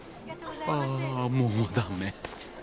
ああもうダメ。